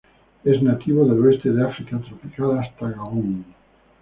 Es nativo del oeste de África tropical hasta Gabón.